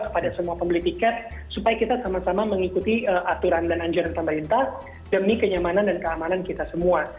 pada semua pembeli tiket supaya kita sama sama mengikuti aturan dan anjuran pemerintah demi kenyamanan dan keamanan kita semua